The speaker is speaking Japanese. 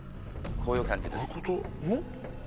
こういう感じです。